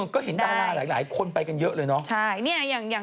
ก็เห็นดาราหลายคนไปกันเยอะเลยเนาะ